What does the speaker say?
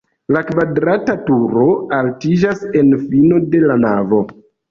La kvadrata turo altiĝas en fino de la navo.